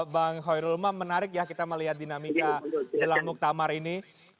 bang hoirul mam menarik ya kita melihat dinamika jelang muktamar ini